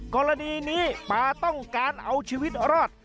กรณีนี้ป่าต้องการเอาชีวิตรอด